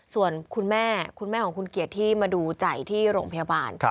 ส่วนคุณแม่คุณแม่ของคุณเกียรติที่มาดูใจที่โรงพยาบาล